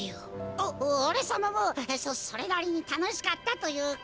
おおれさまもそそれなりにたのしかったというか。